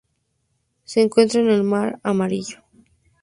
Se encuentra en el Mar Amarillo.